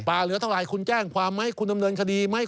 เหลือเท่าไหร่คุณแจ้งความไหมคุณดำเนินคดีไหม